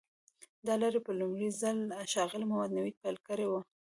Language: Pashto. دا لړۍ په لومړي ځل ښاغلي محمد نوید پیل کړې وه.